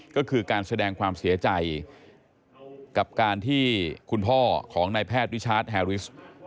ก็คือการแสดงความเสียใจกับการที่คุณพ่อของนายแพทย์วิชาร์จแฮริส